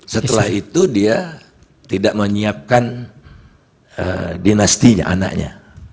setelah itu dia tidak menyiapkan dinastinya anaknya